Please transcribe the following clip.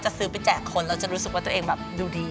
จะซื้อไปแจกคนแล้วจะรู้สึกว่าตัวเองดูดี